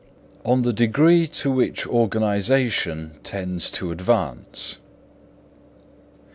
_On the Degree to which Organisation tends to advance.